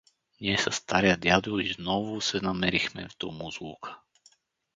Ние със стария дядо изново се намерихме в домузлука.